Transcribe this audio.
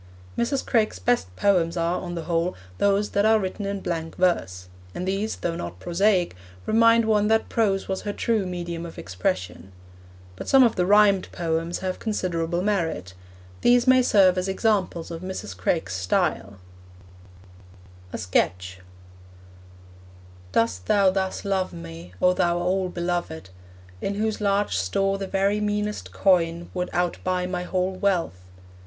Mrs. Craik's best poems are, on the whole, those that are written in blank verse; and these, though not prosaic, remind one that prose was her true medium of expression. But some of the rhymed poems have considerable merit. These may serve as examples of Mrs. Craik's style: A SKETCH Dost thou thus love me, O thou all beloved, In whose large store the very meanest coin Would out buy my whole wealth?